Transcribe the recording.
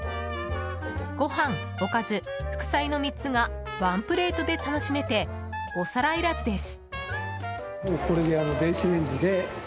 ご飯、おかず、副菜の３つがワンプレートで楽しめてお皿いらずです。